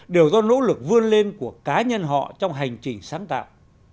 đều do nỗ lực vươn lên của cá nhân họ trong hành trình sáng tạo